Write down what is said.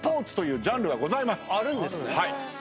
あるんですね。